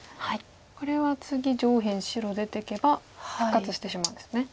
これは次上辺白出てけば復活してしまうんですね。